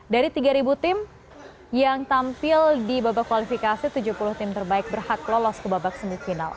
dari tiga tim yang tampil di babak kualifikasi tujuh puluh tim terbaik berhak lolos ke babak semifinal